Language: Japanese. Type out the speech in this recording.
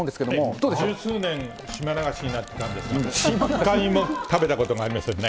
十数年、島流しになってたんですけど、一回も食べたことありませんね。